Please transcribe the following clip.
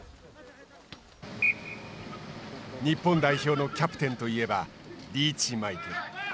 日本代表のキャプテンといえばリーチマイケル。